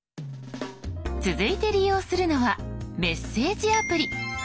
続いて利用するのはメッセージアプリ。